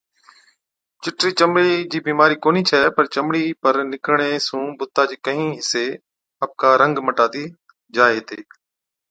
چِٽرِي چمڙي چِي بِيمارِي ڪونهِي ڇَي پَر چمڙِي پر نِڪرڻي سُون بُتا چي ڪهِين حِصي آپڪا رنگ مٽاتِي جائي هِتي۔